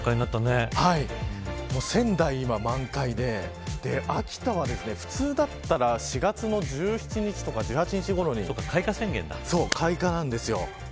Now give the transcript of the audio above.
今、仙台が満開で秋田は、普通だったら４月の１７日とか１８日頃に開花なんですよ。